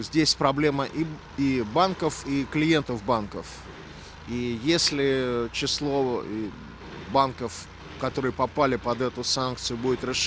jika bank bank rusia yang terkenal dengan transaksi ini berkembang